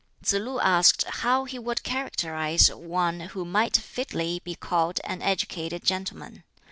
Tsz lu asked how he would characterize one who might fitly be called an educated gentleman.